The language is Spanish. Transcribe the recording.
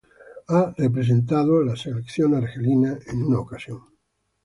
Ha representado a la selección argelina en una ocasión.